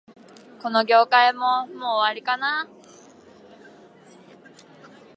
この業界も、もう終わりかな